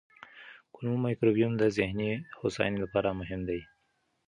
کولمو مایکروبیوم د ذهني هوساینې لپاره مهم دی.